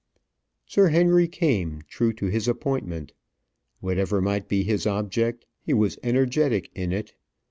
Sir Henry came, true to his appointment. Whatever might be his object, he was energetic in it.